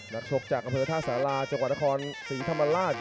ชกจากอำเภอท่าสาราจังหวัดนครศรีธรรมราช